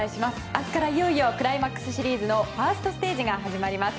明日からいよいよクライマックスシリーズのファーストステージが始まります。